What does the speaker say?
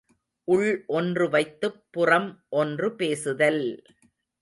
உள்ஒன்று வைத்துப் புறம் ஒன்று பேசுதல்!